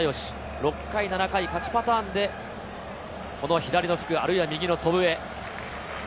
６回、７回、勝ちパターンで、この左の福、あるいは右の祖父江。